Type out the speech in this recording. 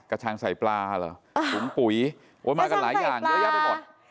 ชังใส่ปลาเหรอถุงปุ๋ยโอ้ยมากันหลายอย่างเยอะแยะไปหมด